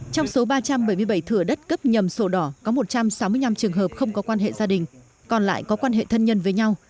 trong số ba trăm bảy mươi bảy thửa đất cấp nhầm sổ đỏ có một trăm sáu mươi năm trường hợp không có quan hệ gia đình còn lại có quan hệ thân nhân với nhau